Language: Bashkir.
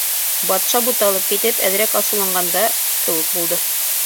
Батша буталып китеп, әҙерәк асыуланған да кеүек булды.